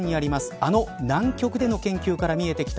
あの南極での研究から見えてきた